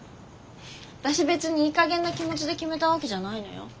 私別にいいかげんな気持ちで決めたわけじゃないのよ。